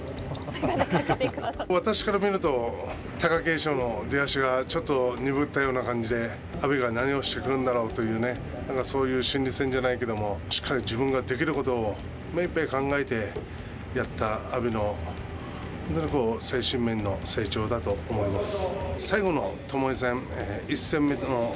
私から見ると、貴景勝の出足がちょっと鈍ったような感じで、阿炎が何をしてくるんだろうという、そういう心理戦じゃないけれども、しっかり自分ができることを目いっぱい考えてやった阿炎の本当にこう、精神面の成長だと思います。